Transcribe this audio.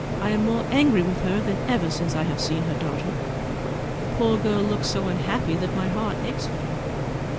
I am more angry with her than ever since I have seen her daughter; the poor girl looks so unhappy that my heart aches for her.